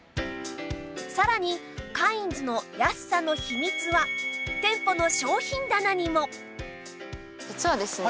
さらにカインズの安さの秘密は店舗の商品棚にも実はですね